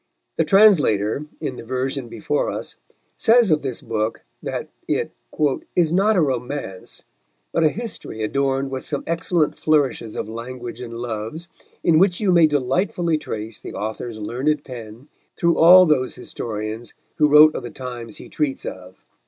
The translator, in the version before us, says of this book that it "is not a romance, but a history adorned with some excellent flourishes of language and loves, in which you may delightfully trace the author's learned pen through all those historians who wrote of the times he treats of."